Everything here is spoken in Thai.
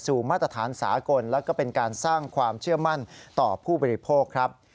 มาตรฐานสากลและก็เป็นการสร้างความเชื่อมั่นต่อผู้บริโภคครับ